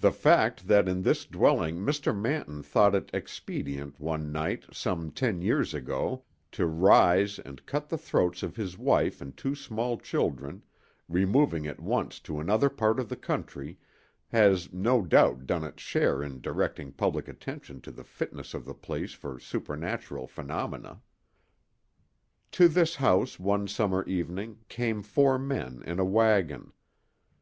The fact that in this dwelling Mr. Manton thought it expedient one night some ten years ago to rise and cut the throats of his wife and two small children, removing at once to another part of the country, has no doubt done its share in directing public attention to the fitness of the place for supernatural phenomena. To this house, one summer evening, came four men in a wagon.